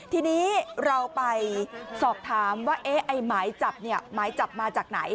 ทีนี้เราไปสอบถามว่ามายจับมาจากไหน